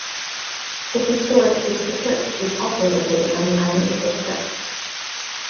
The historic Giske Church is also located on the island of Giske.